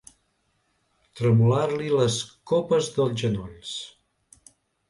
Tremolar-li les copes dels genolls.